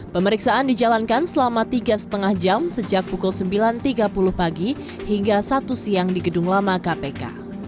pemeriksaan dijalankan selama tiga lima jam sejak pukul sembilan tiga puluh pagi hingga satu siang di gedung lama kpk